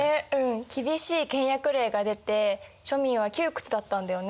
きびしい倹約令が出て庶民は窮屈だったんだよね。